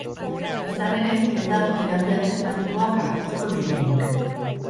Izan ere, ez dago terapia alternatiboak arautzeko legerik.